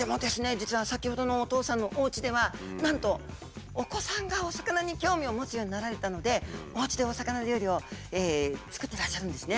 実は先ほどのおとうさんのおうちではなんとお子さんがお魚に興味を持つようになられたのでおうちでお魚料理を作ってらっしゃるんですね。